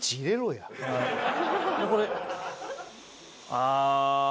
ああ。